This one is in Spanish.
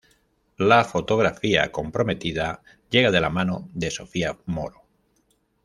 La fotografía comprometida llega de la mano de Sofía Moro.